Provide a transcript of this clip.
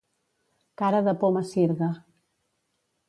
Cara de poma sirga.